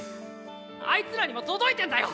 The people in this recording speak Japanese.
あいつらにも届いてんだよ